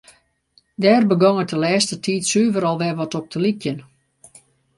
Dêr begûn it de lêste tiid suver al wer wat op te lykjen.